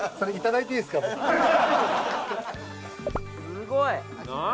すごい！何？